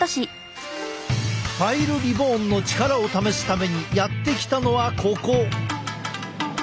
パイルリボーンの力を試すためにやって来たのはここ。